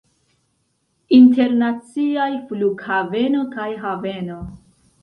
Internaciaj flughaveno kaj haveno.